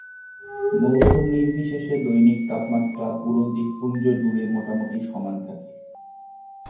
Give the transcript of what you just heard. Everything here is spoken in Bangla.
মৌসুম নির্বিশেষে, দৈনিক তাপমাত্রা পুরো দ্বীপপুঞ্জ জুড়ে মোটামুটি সমান থাকে।